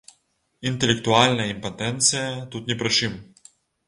Інтэлектуальная імпатэнцыя тут не пры чым.